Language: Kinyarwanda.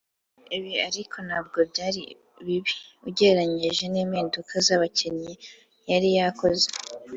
Ibi ariko ntabwo byari bibi ugereranyije n’impinduka z’abakinnyi yari yakoze